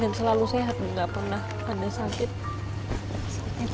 dan selalu sehat nggak pernah ada sakit